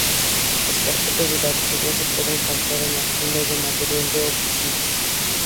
Las carpetas de archivo se pueden comprar en las tiendas de material de oficina.